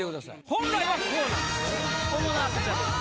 本来はこうなんです。